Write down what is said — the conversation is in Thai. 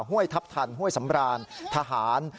ห้วยทัพทันห้วยสำรานทหาร